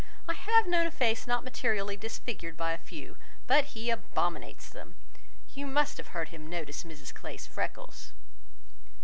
I have known a face not materially disfigured by a few, but he abominates them. You must have heard him notice Mrs Clay's freckles."